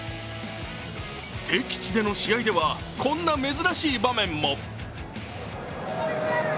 敵地での試合ではこんな珍しい場面も。